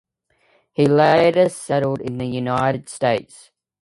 He later settled in the United States.